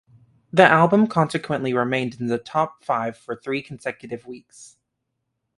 The album consequently remained in the top five for three consecutive weeks.